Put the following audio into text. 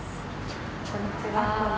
こんにちは。